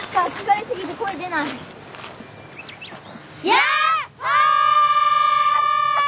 やっほ！